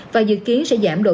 và dự kiến sẽ giảm được